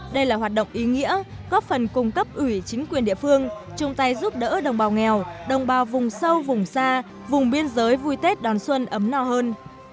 đây là hoạt động ý nghĩa góp phần cung cấp ủy chính quyền địa phương chung tay giúp đỡ đồng bào nghèo đồng bào vùng sâu vùng xa vùng biên giới vui tết đón xuân ấm no hơn